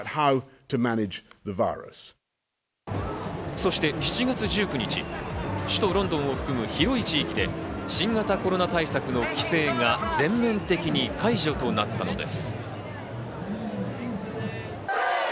そして７月１９日、首都ロンドンを含む広い地域で新型コロナ対策の規制が全面的に解除となったのです。